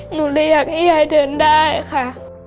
หนูเลยอยากให้ยายเดินได้ค่ะ